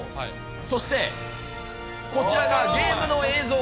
そして、こちらがゲームの映像。